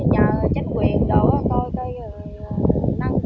nhờ chánh quyền đổ tôi thì nâng cấp